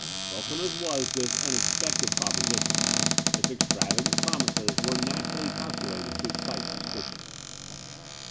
Welcome as was this unexpected proposition, its extravagant promises were naturally calculated to excite suspicion.